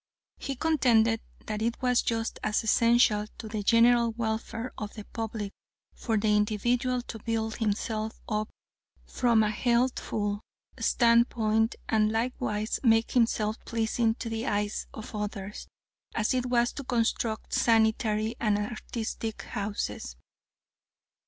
He contended that it was just as essential to the general welfare of the public for the individual to build himself up from a healthful standpoint, and likewise make himself pleasing to the eyes of others, as it was to construct sanitary and artistic houses.